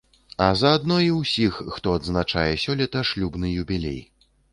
А заадно і ўсіх, хто адзначае сёлета шлюбны юбілей.